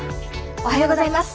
おはようございます。